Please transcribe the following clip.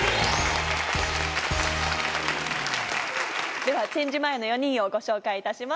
ではチェンジ前の４人をご紹介いたします。